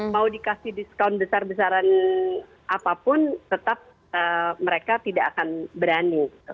mau dikasih diskaun besar besaran apapun tetap mereka tidak akan berani